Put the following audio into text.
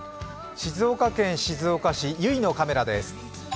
静岡県静岡市、由比のカメラです。